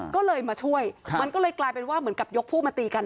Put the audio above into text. ก็เลยมาช่วยมันก็เลยกลายเป็นว่าเหมือนกับยกพวกมาตีกัน